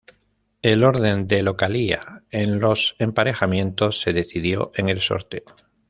El orden de localía en los emparejamientos se decidió en el sorteo.